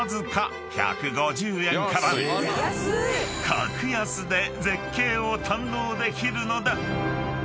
［格安で絶景を堪能できるのだ］